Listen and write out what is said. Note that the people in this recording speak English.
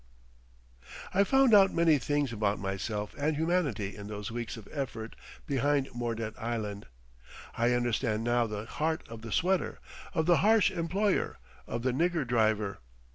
I found out many things about myself and humanity in those weeks of effort behind Mordet Island. I understand now the heart of the sweater, of the harsh employer, of the nigger driver.